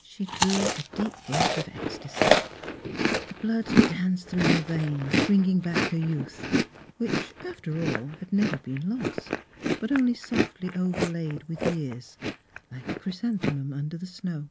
She drew a deep breath of ecstasy ; the Miss Fhilura's Wedding Gown blood danced through her veins bringing back her youth, which, after all, had never been lost, but only softly overlaid with years, like a chrysanthemum under the snow.